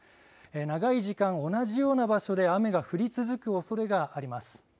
長い時間同じような場所で雨が降り続くおそれがあります。